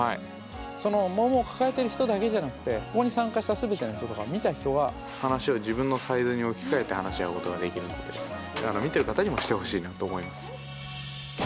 そのモンモンを抱えてる人だけじゃなくてここに参加した全ての人とか見た人が話を自分のサイズに置き換えて話し合うことができるんで見てる方にもしてほしいなと思います。